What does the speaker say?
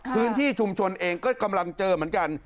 พื้นที่ชุมชนเองก็กำลังเจอเหมือนกัน